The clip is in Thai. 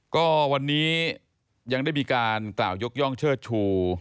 ก็วันนี้ยังได้มีการกล่าวยกย่องเชิดชู